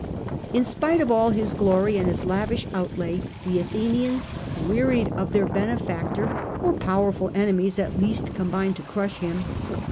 In spite of all his glory and his lavish outlay, the Athenians wearied of their benefactor, or powerful enemies at least combined to crush him.